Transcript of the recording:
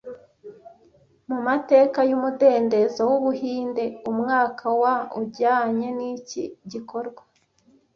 Mu mateka y’umudendezo w’Ubuhinde, umwaka wa ujyanye niki gikorwa